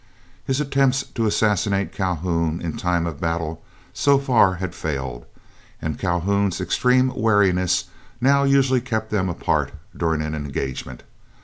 His attempts to assassinate Calhoun in time of battle, so far had failed, and Calhoun's extreme wariness now usually kept them apart during an engagement.